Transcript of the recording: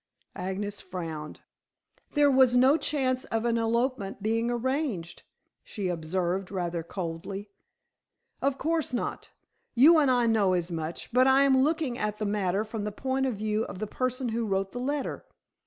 Agnes frowned. "There was no chance of an elopement being arranged," she observed rather coldly. "Of course not. You and I know as much, but I am looking at the matter from the point of view of the person who wrote the letter.